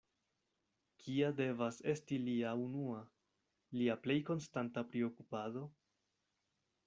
Kia devas esti lia unua, lia plej konstanta priokupado?